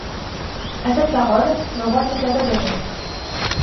A ceste parole le Roy s’esclata de rire.